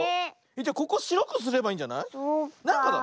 じゃここしろくすればいいんじゃない？そっかあ。